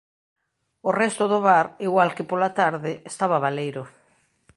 O resto do bar, igual que pola tarde, estaba baleiro.